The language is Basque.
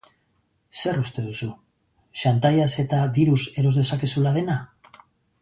Zer uste duzu, xantaiaz eta diruz eros dezakezula dena?